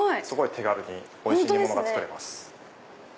手軽においしい煮物が作れます。